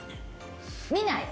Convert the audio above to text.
見ない？